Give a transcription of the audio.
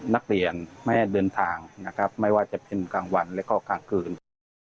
นักเรียนไม่ให้เดินทางนะครับไม่ว่าจะเป็นกลางวันแล้วก็กลางคืน